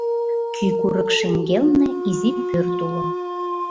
Кӱ курык шеҥгелне изи пӧрт уло.